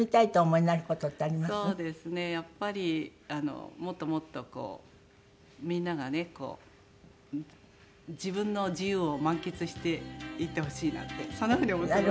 やっぱりもっともっとこうみんながねこう自分の自由を満喫していってほしいなってそんな風に思ってます。